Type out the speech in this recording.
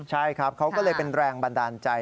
ใช่ครับเขาก็เลยเป็นแรงบันดาลใจ